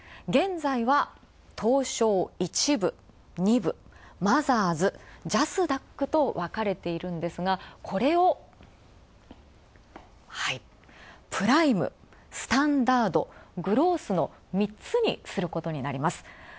現在は、東証１部、２部、マザーズ、ジャスダックと分かれているんですが、これをプライム、スタンダード、グロースの３つにすることになります。